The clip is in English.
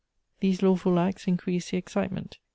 These lawful acts increased the excitement.